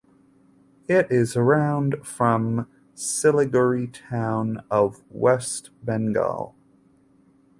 It is around from Siliguri Town of West Bengal.